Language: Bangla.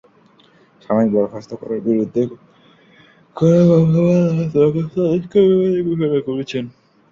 সাময়িক বরখাস্ত করার বিরুদ্ধে করা মামলায়ও আদালত বরখাস্ত আদেশকে অবৈধ ঘোষণা করেছেন।